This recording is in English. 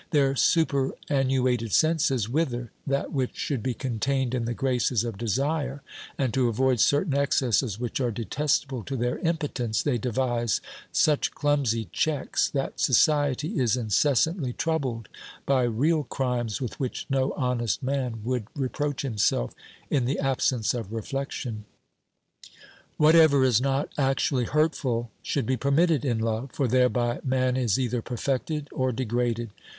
Their superannuated senses wither that which should be contained in the graces of desire, and to avoid certain excesses which are detestable to their impotence, they devise such clumsy checks that society is incessantly troubled by real crimes with which no honest man would reproach himself in the absence of reflection. Whatever is not actually hurtful should be permitted in love, for thereby man is either perfected or degraded.